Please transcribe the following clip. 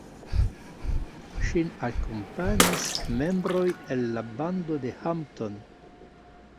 Ŝin akompanis membroj el la bando de Hampton.